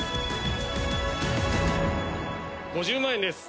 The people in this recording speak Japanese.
５０万円です！